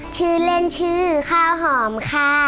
ชื่อเล่นชื่อข้าวหอมค่ะ